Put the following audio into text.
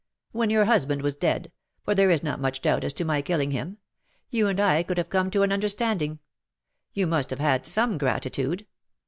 •' When your husband was dead — for there is not much doubt as to my killing him — you and I could have come to an understand ing. You must have had some gratitude.